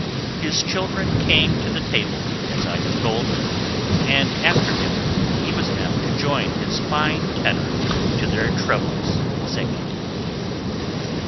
His children came to the table, as I have told, and after dinner he was apt to join his fine tenor to their trebles in singing.